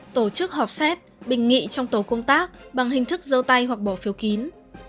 tổ chức họp xét bình nghị trong tổ công tác bằng hình thức dâu tay hoặc bỏ phiếu kín